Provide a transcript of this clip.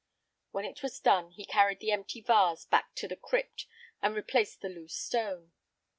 When it was done, he carried the empty vase back to the crypt and replaced the loose stone.